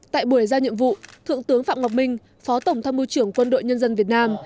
tại buổi ra nhiệm vụ thượng tướng phạm ngọc minh phó tổng tham mưu trưởng quân đội nhân dân việt nam